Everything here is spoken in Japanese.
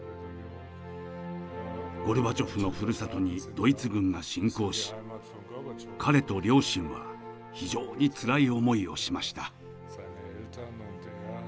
ゴルバチョフのふるさとにドイツ軍が侵攻し彼と両親は非常につらい思いをしました。